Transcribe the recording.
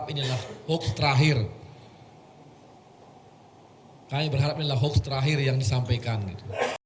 pemilu umum yang sudah dipercayai pasangan nomor urut satu